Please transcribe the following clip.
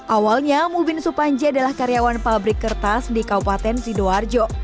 awalnya mubin supanji adalah karyawan pabrik kertas di kabupaten sidoarjo